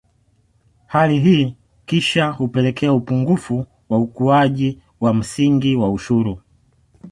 Hali hii kisha hupelekea upungufu wa ukuaji wa msingi wa ushuru